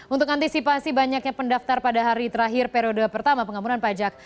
untuk antisipasi banyaknya pendaftar pada hari terakhir periode pertama pengampunan pajak